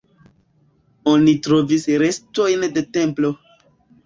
Oni trovis restojn de templo.